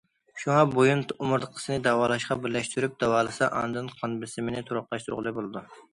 شۇڭا، بويۇن ئومۇرتقىسىنى داۋالاشقا بىرلەشتۈرۈپ داۋالىسا، ئاندىن قان بېسىمىنى تۇراقلاشتۇرغىلى بولىدۇ.